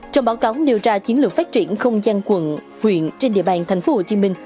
trong báo cáo nêu ra chiến lược phát triển không gian quận huyện trên địa bàn tp hcm